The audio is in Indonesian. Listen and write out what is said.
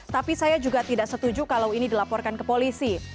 tapi saya juga tidak setuju kalau ini dilaporkan ke polisi